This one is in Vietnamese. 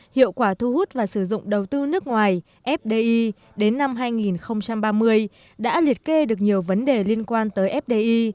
hiệu quả thu hút và sử dụng đầu tư nước ngoài fdi đến năm hai nghìn ba mươi đã liệt kê được nhiều vấn đề liên quan tới fdi